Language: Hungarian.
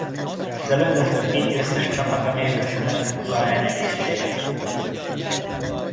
Az elődöntő két győztes csapata a mérkőzhetett a kupa elnyeréséért.